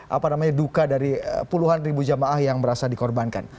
apa namanya duka dari puluhan ribu jamaah yang merasa dikorbankan